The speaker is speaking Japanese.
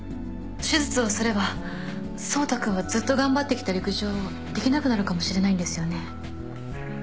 手術をすれば走太君はずっと頑張ってきた陸上をできなくなるかもしれないんですよね？